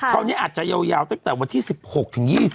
คราวนี้อาจจะยาวตั้งแต่วันที่๑๖ถึง๒๐